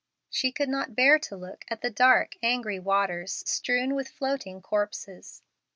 She could not bear to look at the dark, angry waters strewn with floating corpses.